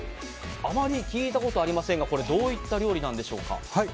あまり聞いたことがありませんがどういった料理なんでしょうか。